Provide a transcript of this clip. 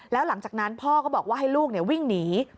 แล้วหลังจากนั้นพ่อก็บอกว่าให้ลูกวิ่งหนี